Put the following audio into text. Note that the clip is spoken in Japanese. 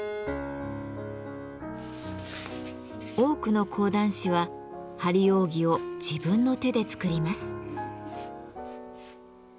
多くの講談師は張り扇を自分の手で作ります。